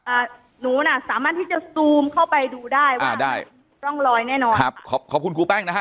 หนูน่ะสามารถที่จะซูมเข้าไปดูได้ว่าอ่าได้ร่องรอยแน่นอนครับขอขอบคุณครูแป้งนะฮะ